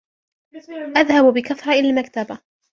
أذهب بكثرة إلى المكتبة